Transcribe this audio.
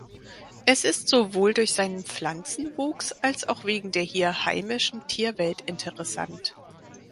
Es ist sowohl durch seinen Pflanzenwuchs als auch wegen der hier heimische Tierwelt interessant.